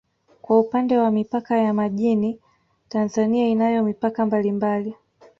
Kwa upande wa mipaka ya majini Tanzania inayo mipaka mbalimbali